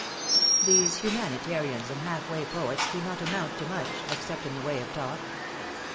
These humanitarians and half Avay poets do not amount to much, except in the Avay of talk.